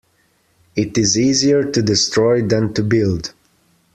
It is easier to destroy than to build.